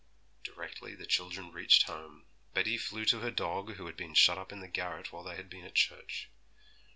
Directly the children reached home, Betty flew to her dog, who had been shut up in the garret whilst they had been at church.